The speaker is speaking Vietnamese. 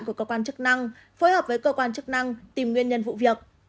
của cơ quan chức năng phối hợp với cơ quan chức năng tìm nguyên nhân vụ việc